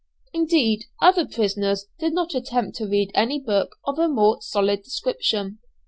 Indeed, other prisoners did not attempt to read any book of a more solid description.